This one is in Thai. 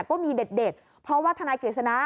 ก็มีเด็ดเพราะว่าทนายกฤษณะ